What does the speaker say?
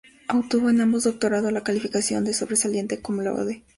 Obtuvo en ambos doctorados la calificación de sobresaliente "cum laude".